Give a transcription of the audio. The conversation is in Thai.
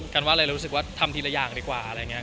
กันว่าเลยรู้สึกว่าทำทีละอย่างดีกว่าอะไรอย่างนี้